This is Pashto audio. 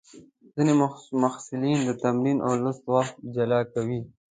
ځینې محصلین د تمرین او لوستلو وخت جلا کوي.